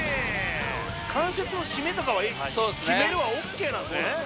関節の絞めとか決めるはＯＫなんですね